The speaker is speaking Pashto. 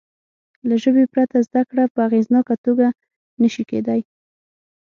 له ژبې پرته زده کړه په اغېزناکه توګه نه شي کېدای.